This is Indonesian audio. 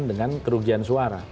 dengan kerugian suara